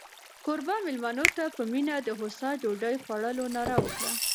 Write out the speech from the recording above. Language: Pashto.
کوربه مېلمنو ته په مینه د هوسا ډوډۍ خوړلو ناره وکړه.